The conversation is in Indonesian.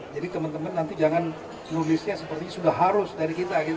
jadi teman teman nanti jangan nulisnya sepertinya sudah harus dari kita gitu